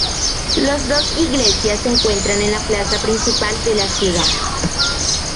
Los dos iglesias se encuentran en la plaza principal de la ciudad.